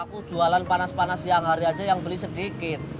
aku jualan panas panas siang hari aja yang beli sedikit